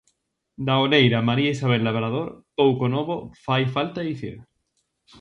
Da oleira María Isabel Labrador pouco novo fai falta dicir.